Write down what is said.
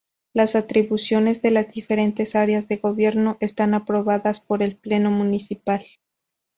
Las atribuciones de las diferentes Áreas de Gobierno están aprobadas por el Pleno Municipal.